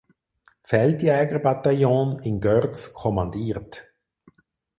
Feldjägerbataillon in Görz kommandiert.